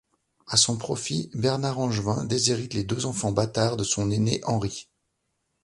À son profit Bernard Angevin déshérite les deux enfants bâtards de son aîné Henri.